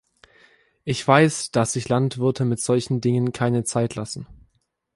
Ich weiß, dass sich Landwirte mit solchen Dingen keine Zeit lassen.